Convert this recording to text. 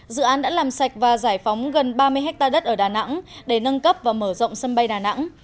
dự án đã làm sạch và giải phóng gần ba mươi hectare đất ở đà nẵng để nâng cấp và mở rộng sân bay đà nẵng